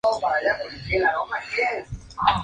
Instituto de Patrimonio Histórico Español